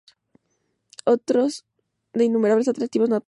Entre otros de innumerables atractivos naturales.